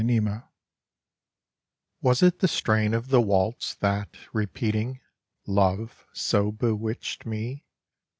GHOSTS Was it the strain of the waltz that, repeating Love, so bewitched me?